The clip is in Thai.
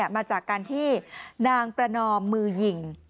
มาจากการที่นางประนอมมือยิง